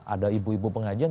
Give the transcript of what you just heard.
ada ibu ibu pengajian